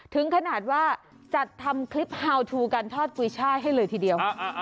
ถึงขนาดว่าจัดทำคลิปฮาวทูกันทอดกุยช่ายให้เลยทีเดียว